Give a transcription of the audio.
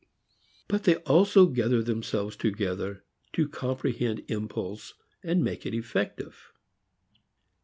But they also gather themselves together to comprehend impulse and make it effective.